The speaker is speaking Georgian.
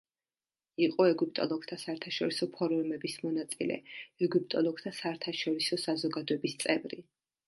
იყო ეგვიპტოლოგთა საერთაშორისო ფორუმების მონაწილე, ეგვიპტოლოგთა საერთაშორისო საზოგადოების წევრი.